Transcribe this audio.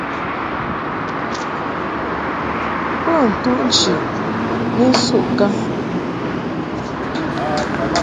Bo ntuʼ nchi ni nsuʼ kaŋ.